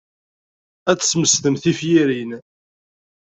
Ad tesmesdem tiferyin.